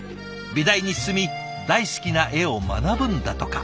美大に進み大好きな絵を学ぶんだとか。